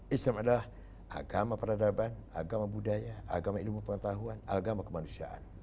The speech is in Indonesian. islam adalah agama peradaban agama budaya agama ilmu pengetahuan agama kemanusiaan